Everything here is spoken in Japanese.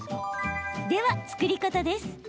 では、作り方です。